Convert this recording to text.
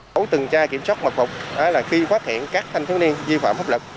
tổ tường tra kiểm soát mật mục là khi phát hiện các thanh thiếu niên vi phạm pháp luật